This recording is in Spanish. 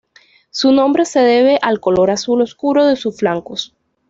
Su nombre se debe al color azul oscuro de sus flancos.